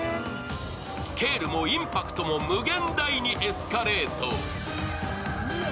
スケールもインパクトも無限大にエスカレート。